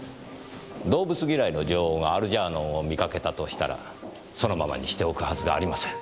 動物嫌いの女王がアルジャーノンを見かけたとしたらそのままにしておくはずがありません。